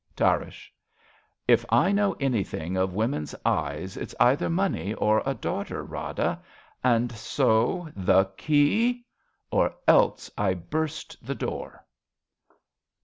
Tarrasch. If I know anything of women's eyes, It's either money, or a daughter, Rada. And so — the key ! Or else I hurst the door.